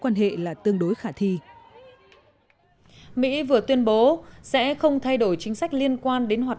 quan hệ là tương đối khả thi mỹ vừa tuyên bố sẽ không thay đổi chính sách liên quan đến hoạt